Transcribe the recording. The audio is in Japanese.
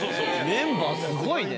メンバースゴいね。